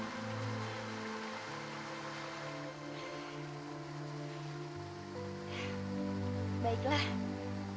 kamu mau kan menikah dengan akang